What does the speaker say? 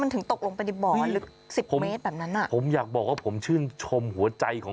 ถึงตกลงไปในบ่อลึกสิบเมตรแบบนั้นอ่ะผมอยากบอกว่าผมชื่นชมหัวใจของ